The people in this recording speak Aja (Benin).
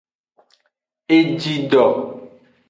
Egido.